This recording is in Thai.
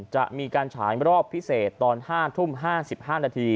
จะมีการฉายรอบพิเศษตอน๕ทุ่ม๕๕นาที